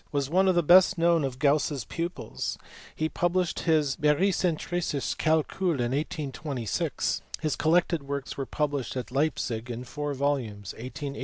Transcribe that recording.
was one of the best known of Gauss s pupils; he published his Barycentrisches Calcul in 1826 : his collected works were published at Leipzig in four volumes, 1885 7.